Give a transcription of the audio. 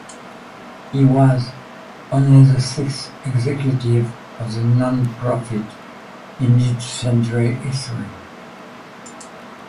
He was only the sixth executive of the nonprofit in its century history.